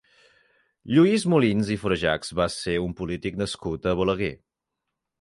Lluís Molins i Florejachs va ser un polític nascut a Balaguer.